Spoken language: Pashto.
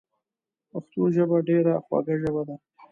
پښتو ژبه ډیره خوږه ژبه ده